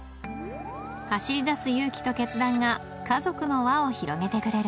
走りだす勇気と決断が家族の輪を広げてくれる